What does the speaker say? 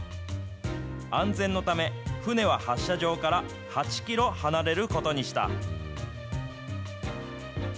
安全のため、船は発射場から８キロ離れることにした。